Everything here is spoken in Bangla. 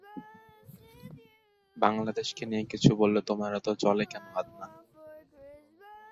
ময়মনসিংহ শহরে প্রথম শহীদ মিনার নির্মাণের সাথে তিনি যুক্ত ছিলেন।